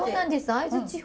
会津地方。